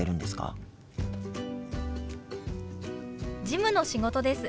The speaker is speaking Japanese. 事務の仕事です。